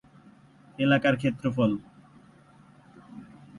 এলাকার ক্ষেত্রফল